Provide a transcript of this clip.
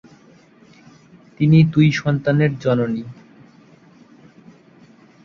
তিনি দুই সন্তানের জননী।